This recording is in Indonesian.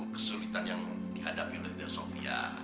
kesulitan yang dihadapi oleh yuda sofia